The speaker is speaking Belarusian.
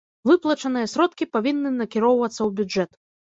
Выплачаныя сродкі павінны накіроўвацца ў бюджэт.